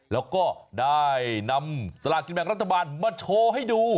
แล้วก็ได้นำสลากกินแบ่งรัฐบาลมาโชว์ให้ดู